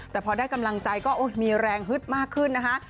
แต่พอได้กำลังใจก็มีแรงฮึดมากขึ้นนะคะ